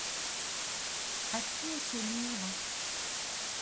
À qui est ce livre ?